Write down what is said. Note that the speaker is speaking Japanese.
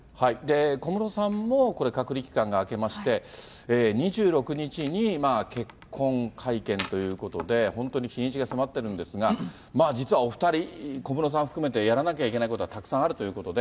小室さんもこれ、隔離期間が明けまして、２６日に結婚会見ということで、本当に日にちが迫ってるんですが、実はお２人、小室さん含めて、やらなきゃいけないことがたくさんあるということで。